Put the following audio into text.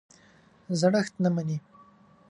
زړښت نه مني.